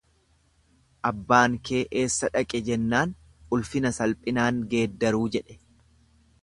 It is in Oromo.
Abbaan kee eessa dhaqe jennaan ulfina salphinaan geeddaruu jedhe.